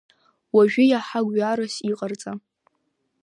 Уажәы иаҳа гәҩарас иҟарҵа…